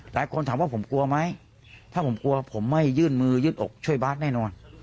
หลายคนถามว่าผมกลัวไหมถ้าผมกลัวผมไม่ยื่นมือยืดอกช่วยบาทแน่นอน